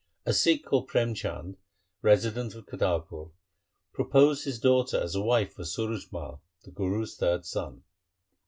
A Sikh called Prem Chand, resident of Kartarpur, proposed his daughter as a wife for Suraj Mai, the Guru's third son.